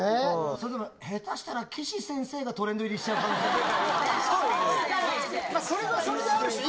それでも、下手したら、岸先生がトレンド入りしちゃう可能性もある。